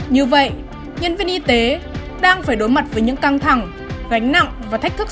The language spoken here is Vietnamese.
như vậy nhân viên y tế đang phải đối mặt với những căng thẳng gánh nặng và thách thức